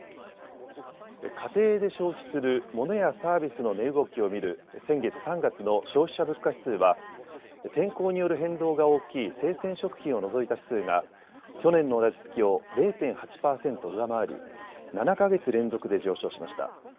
家庭で消費するモノやサービスの値動きを見る先月３月の消費者物価指数は天候による変動が大きい生鮮食品を除いた指数が去年の同じ月を０．８％上回り７か月連続で上昇しました。